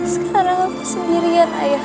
sekarang aku sendirian ayah